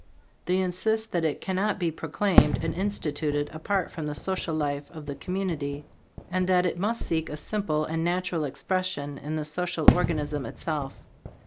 They insist that it cannot be proclaimed and instituted apart from the social life of the community and that it must seek a simple and natural expression in the social organism itself.